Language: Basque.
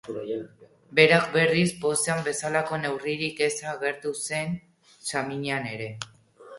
Berak, berriz, pozean bezalako neurririk eza agertu zuen saminean ere.